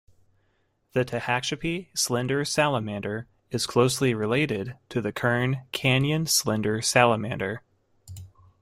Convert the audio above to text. The Tehachapi slender salamander is closely related to the Kern Canyon slender salamander.